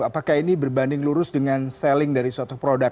apakah ini berbanding lurus dengan selling dari suatu produk